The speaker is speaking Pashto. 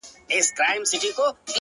• د سترگو توره سـتــا بـلا واخلـمـه؛